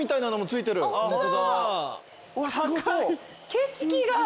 景色が。